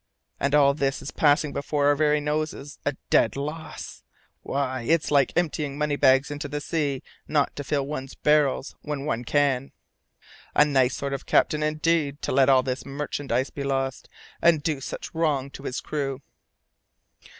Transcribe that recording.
And all this is passing before our very noses a dead loss! Why, it's like emptying money bags into the sea not to fill one's barrels when one can. A nice sort of captain, indeed, to let all this merchandise be lost, and do such wrong to his crew!"